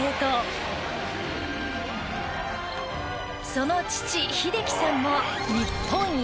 その父英樹さんも日本一。